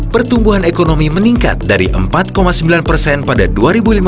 pertumbuhan ekonomi meningkat dari empat sembilan persen pada dua ribu lima belas